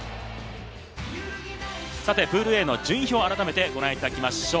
プールＡの順位表を改めてご覧いただきましょう。